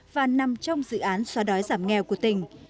và nằm trong dự án xóa đói giảm nghèo của tỉnh